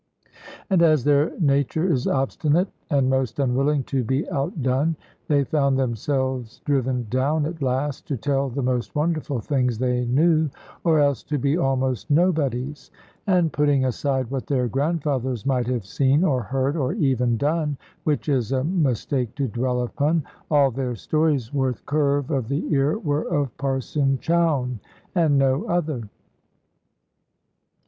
And as their nature is obstinate and most unwilling to be outdone, they found themselves driven down at last to tell the most wonderful things they knew, or else to be almost nobodies. And putting aside what their grandfathers might have seen or heard or even done which is a mistake to dwell upon all their stories worth curve of the ear were of Parson Chowne, and no other.